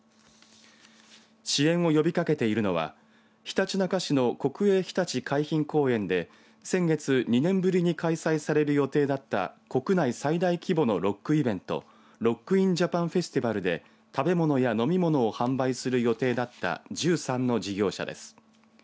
支援を呼びかけているのはひたちなか市の国営ひたち海浜公園で先月、２年ぶりに開催される予定だった国内最大規模のロックイベントロック・イン・ジャパン・フェスティバルで食べ物や飲み物を販売する予定だった１３の事業者です。